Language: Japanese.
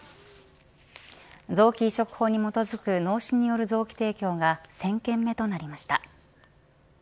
臓器移植法に基づく脳死による臓器提供が１０００件目となりました。